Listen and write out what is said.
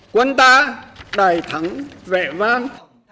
quân ta đầy thắng vẻ vang